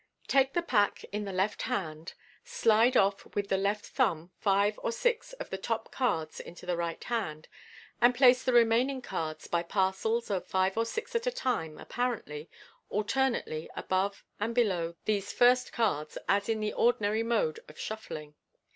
— Take the pack in the left hand, slide off with the left thumb five or six of the top cards into the right hand, and place the remaining cards by parcels of five or six at a time (apparently) alternately above and below these first cards, as in the ordinary mode of shufiling.